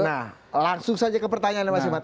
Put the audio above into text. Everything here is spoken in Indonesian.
nah langsung saja ke pertanyaan ya mas imad